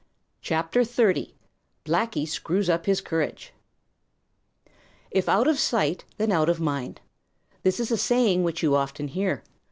CHAPTER XXX: Blacky Screws Up His Courage If out of sight, then out of mind. This is a saying which you often hear.